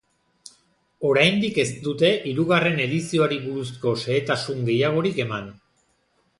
Oraindik ez dute hirugarren edizioari buruzko xehetasun gehiagorik eman.